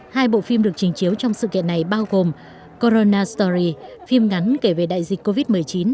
hai bộ phim được trình chiếu trong sự kiện này bao gồm con rnastory phim ngắn kể về đại dịch covid một mươi chín